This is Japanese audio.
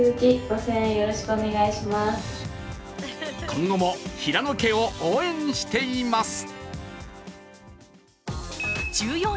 今後も平野家を応援しています。